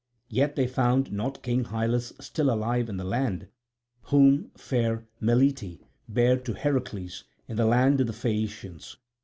Yet they found not King Hyllus still alive in the land, whom fair Melite bare to Heracles in the land of the Phaeacians.